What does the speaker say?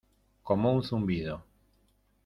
como un zumbido.